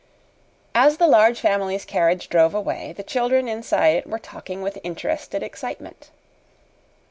As the Large Family's carriage drove away, the children inside it were talking with interested excitement.